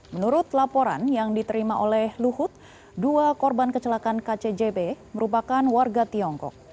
menurut laporan yang diterima oleh luhut dua korban kecelakaan kcjb merupakan warga tiongkok